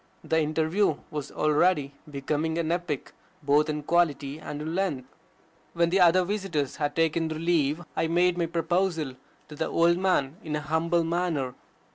The interview was already becoming an epic, both in quality and in length. When the other visitors had taken their leave, I made my proposal to the old man in a humble manner.